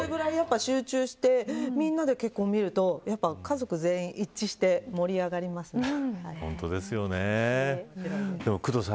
それぐらい集中してみんなで見ると家族全員一致して工藤さん